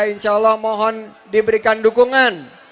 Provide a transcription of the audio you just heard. insya allah mohon diberikan dukungan